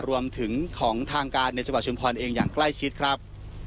รวมถึงของทางการในจังหวัดชุมพรเองอย่างใกล้ชิดครับ